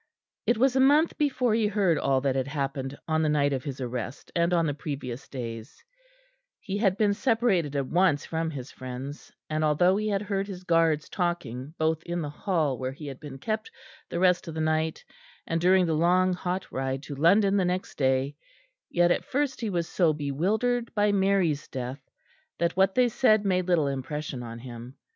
It was a month before he heard all that had happened on the night of his arrest, and on the previous days: he had been separated at once from his friends; and although he had heard his guards talking both in the hall where he had been kept the rest of the night, and during the long hot ride to London the next day, yet at first he was so bewildered by Mary's death that what they said made little impression on him.